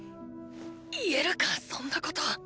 言えるかそんなこと！